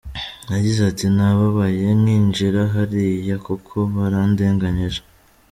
Yagize ati “Nababaye nkinjira hariya kuko barandenganyije.